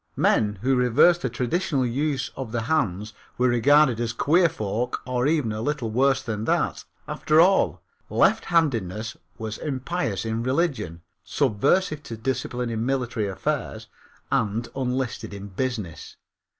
Men who reversed the traditional use of the hands were regarded as queer folk or even a little worse than that. After all, lefthandedness was impious in religion, subversive to discipline in military affairs and unlisted in business.